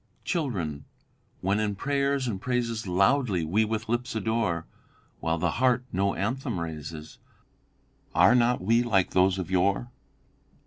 "'Children, when in prayers and praises Loudly we with lips adore, While the heart no anthem raises, Are not we like those of yore?